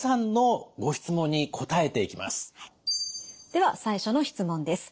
では最初の質問です。